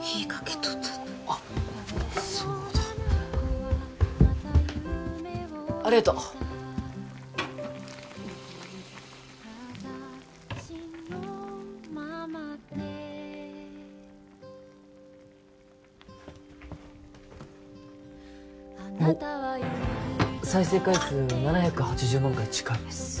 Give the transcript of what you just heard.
火ぃかけとったとあっやべえそうだありがとおっ再生回数７８０万回近いです